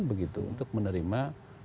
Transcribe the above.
begitu untuk menerima